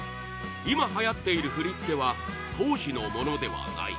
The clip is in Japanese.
今、はやっている振り付けは当時のものではない